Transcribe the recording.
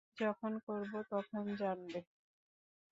যখন করব, তখন জানবে।